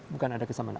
bukan ada kesamaan